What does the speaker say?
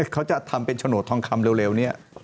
เขาจะทำเป็นโฉนดทองคำเร็วนี้